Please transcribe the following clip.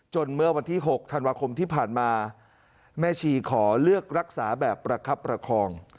เมื่อวันที่๖ธันวาคมที่ผ่านมาแม่ชีขอเลือกรักษาแบบประคับประคอง